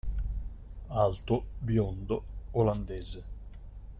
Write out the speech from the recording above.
Alto, biondo, olandese.